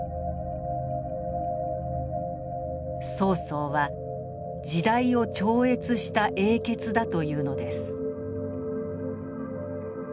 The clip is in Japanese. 曹操は「時代を超越した英傑」だというのです。